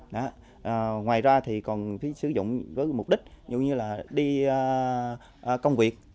ngoài ra thì còn sử dụng với mục đích dụ như là đi công việc